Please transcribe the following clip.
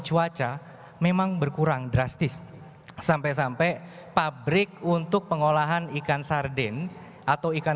cuaca memang berkurang drastis sampai sampai pabrik untuk pengolahan ikan sarden atau ikan